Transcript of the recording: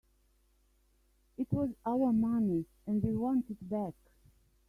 It was our money and we want it back.